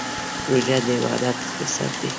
روژه د عبادت فرصت دی.